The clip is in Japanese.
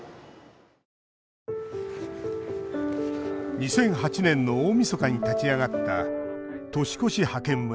２００８年の大みそかに立ち上がった年越し派遣村。